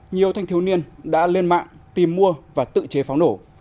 nhiều thanh thiếu niên đã lên mạng tìm mua và tự chế pháo nổ